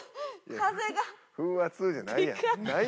風圧じゃないやん。